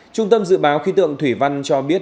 trung tâm dự báo khí tượng thủy văn cho biết